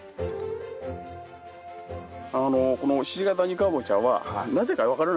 この鹿ケ谷かぼちゃはなぜか分からない